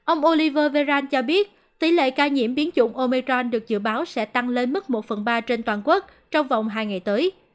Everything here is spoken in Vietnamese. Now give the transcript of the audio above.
ông oliver veran cho biết tỷ lệ ca nhiễm biến chủng omechron được dự báo sẽ tăng lên mức một phần ba trên toàn quốc trong vòng hai ngày tới